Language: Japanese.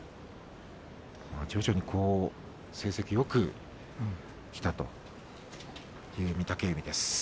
徐々に成績よくきたという御嶽海です。